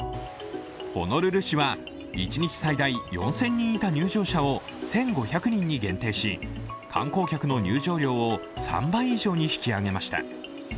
ホノルル市は一日最大４０００人いた入場者を１５００人に限定し観光客の入場料を３倍以上に引き上げました。